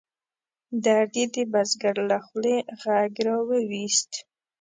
درد یې د بزګر له خولې غږ را ویوست.